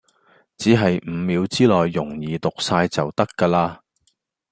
只係五秒之內容易讀哂就得㗎啦